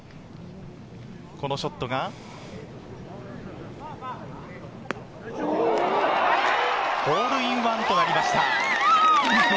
このショットがホールインワンとなりました。